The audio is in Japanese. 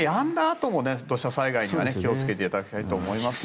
あとも土砂災害には気を付けていただきたいと思います。